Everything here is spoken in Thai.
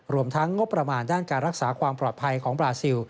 รวมทั้งงบประมาณด้านการรักษาความปลอดภัยของบราซิล